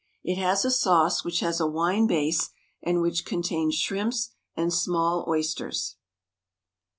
It has a sauce which has a wine base and which contains shrimps and small oysters.